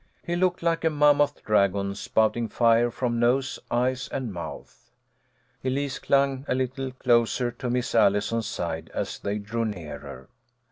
He looked like a mammoth dragon, sponting fire from nose, eyes and mouth. Elise clung a little closer to Miss Allison's side as they drew nearer.